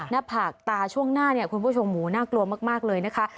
หน้าผากตาช่วงหน้าเนี่ยคุณผู้ชมหมูน่ากลัวมากเลยนะคะ